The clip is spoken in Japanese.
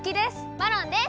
マロンです！